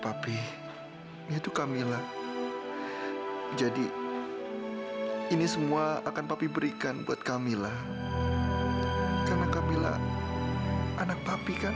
papi yaitu kamilah jadi ini semua akan papi berikan buat kamilah karena kamilah anak papi kan